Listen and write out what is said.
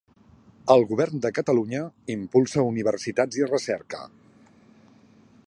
El Govern de Catalunya impulsa Universitats i Recerca.